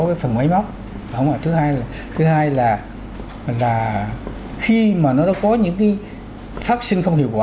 cái phần máy móc thứ hai là khi mà nó có những cái pháp sinh không hiệu quả